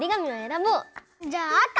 じゃああか！